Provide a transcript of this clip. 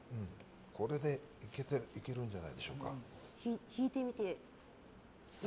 これでいけるんじゃないでしょうか。